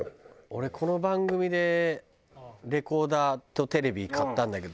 俺この番組でレコーダーとテレビ買ったんだけど。